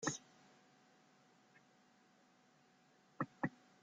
El test está compuesto por secciones tanto obligatorias como opcionales.